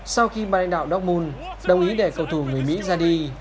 sau khi ban đại đạo dortmund đồng ý để cầu thủ người mỹ ra đi